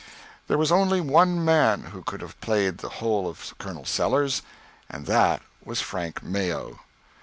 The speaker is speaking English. There was only one man who could have played the whole of Colonel Sellers, and that was Frank Mayo.